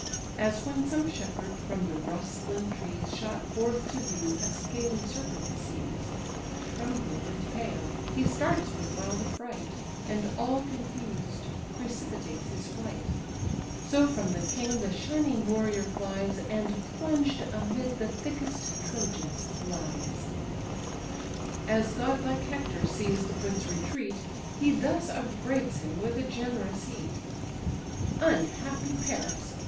As when some shepherd, from the rustling trees Shot forth to view, a scaly serpent sees, Trembling and pale, he starts with wild affright And all confused precipitates his flight: So from the king the shining warrior flies, And plunged amid the thickest Trojans lies. As godlike Hector sees the prince retreat, He thus upbraids him with a generous heat: "Unhappy Paris!